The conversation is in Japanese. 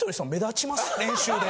練習で。